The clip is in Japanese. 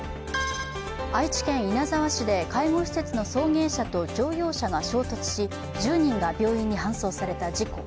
愛知県稲沢市で介護施設の送迎車と乗用車が衝突し１０人が病院に搬送された事故。